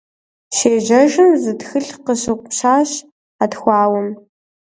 Щежьэжым, зы тхылъ къыщыгъупщащ хьэтхауэм.